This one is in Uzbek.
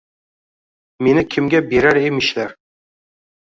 –Meni kimga berar emishlar?